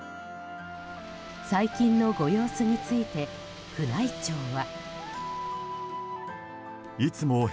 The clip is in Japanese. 最近のご様子について宮内庁は。